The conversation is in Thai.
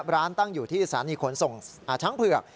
ร้านตั้งอยู่ที่สถานีขนส่งช้างเผือก